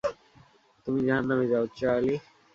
তুমি জাহান্নামে যাও, চার্লি!